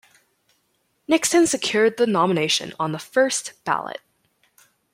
Nixon secured the nomination on the first ballot.